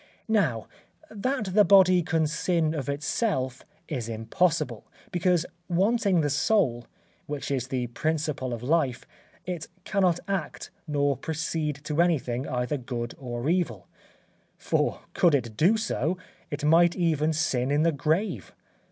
Now, that the body can sin of itself is impossible, because wanting the soul, which is the principle of life, it cannot act nor proceed to anything either good or evil; for could it do so, it might even sin in the grave.